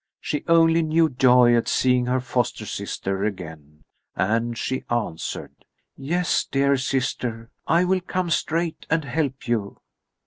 She only knew joy at seeing her foster sister again, and she answered: "Yes, dear sister, I will come straight and help you."